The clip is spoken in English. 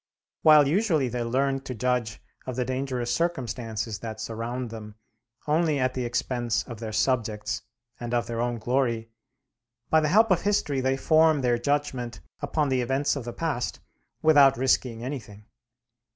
While usually they learn to judge of the dangerous circumstances that surround them, only at the expense of their subjects and of their own glory, by the help of history they form their judgment upon the events of the past without risking anything.